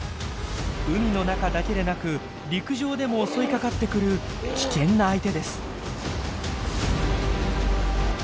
海の中だけでなく陸上でも襲いかかってくる危険な相手です。